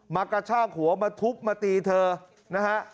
กระชากหัวมาทุบมาตีเธอนะฮะ